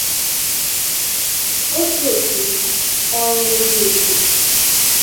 ótù òtù ọrụ obi ebere